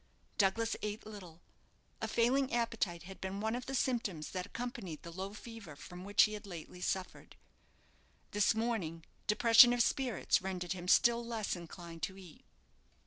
Douglas ate little. A failing appetite had been one of the symptoms that accompanied the low fever from which he had lately suffered. This morning, depression of spirits rendered him still less inclined to eat.